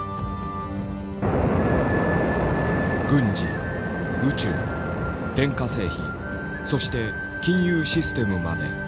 軍事宇宙電化製品そして金融システムまで。